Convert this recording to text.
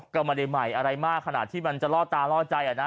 ก็ไม่ได้ใหม่อะไรมากขนาดที่มันจะล่อตาล่อใจนะ